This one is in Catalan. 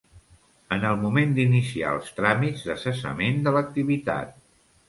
En el moment d'iniciar els tràmits de cessament de l'activitat.